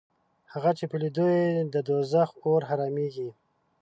هغه چې په لیدو یې د دوزخ اور حرامېږي